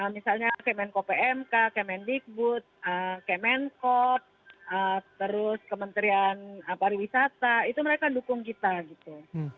misalnya kemenko pmk kemendikbud kemenkop terus kementerian pariwisata itu mereka dukung kita gitu